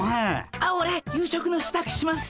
あっオレ夕食のしたくします。